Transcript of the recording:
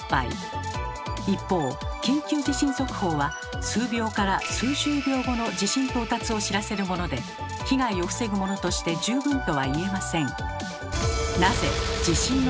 一方緊急地震速報は数秒から数十秒後の地震到達を知らせるもので被害を防ぐものとして十分とは言えません。